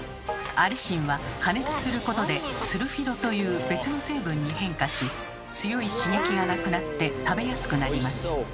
アリシンは加熱することでスルフィドという別の成分に変化し強い刺激がなくなって食べやすくなります。